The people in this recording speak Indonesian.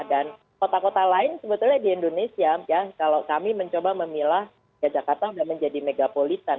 dan kota kota lain sebetulnya di indonesia kalau kami mencoba memilah jakarta udah menjadi megapolitan